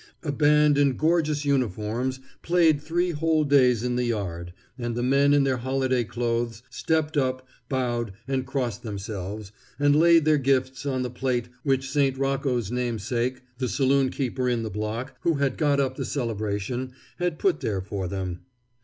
A band in gorgeous uniforms played three whole days in the yard, and the men in their holiday clothes stepped up, bowed, and crossed themselves, and laid their gifts on the plate which St. Rocco's namesake, the saloon keeper in the block, who had got up the celebration, had put there for them.